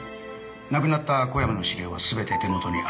亡くなった小山の資料は全て手元にあります。